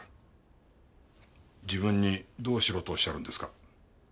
自分にどうしろとおっしゃるんですか？